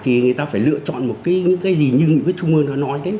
thì người ta phải lựa chọn một cái gì như những cái trung ương nó nói đấy